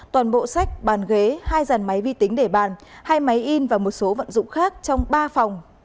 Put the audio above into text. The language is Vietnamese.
toàn bộ sách bàn ghế hai dàn máy vi tính để bàn hai máy in và một số vận dụng khác trong ba phòng